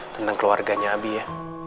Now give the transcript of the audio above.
tentang keluarganya abi ya